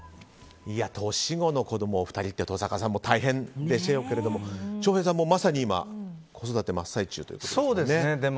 年子の子供２人って登坂さんも大変でしょうけれど翔平さんもまさに今子育て真っ最中ということですね。